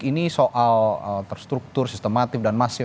ini soal terstruktur sistematif dan masif